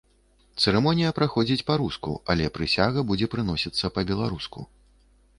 Цырымонія праходзіць па-руску, але прысяга будзе прыносіцца па-беларуску.